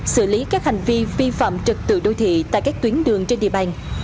xử lý các hành vi vi phạm trật tự đô thị tại các tuyến đường trên địa bàn